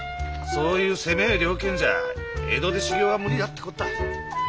そういう狭え了見じゃ江戸で修行は無理だってこった。